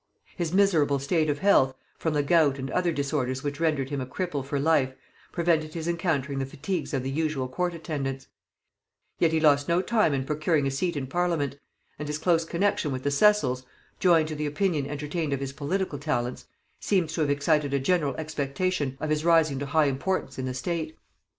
His miserable state of health, from the gout and other disorders which rendered him a cripple for life, prevented his encountering the fatigues of the usual court attendance: yet he lost no time in procuring a seat in parliament; and his close connexion with the Cecils, joined to the opinion entertained of his political talents, seems to have excited a general expectation of his rising to high importance in the state.